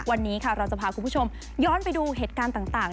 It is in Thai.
วันนี้ค่ะเราจะพาคุณผู้ชมย้อนไปดูเหตุการณ์ต่าง